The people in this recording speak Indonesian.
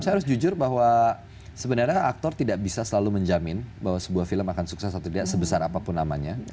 saya harus jujur bahwa sebenarnya aktor tidak bisa selalu menjamin bahwa sebuah film akan sukses atau tidak sebesar apapun namanya